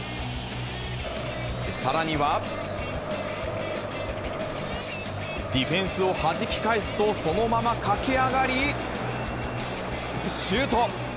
さらには、ディフェンスをはじき返すと、そのまま駆け上がり、シュート。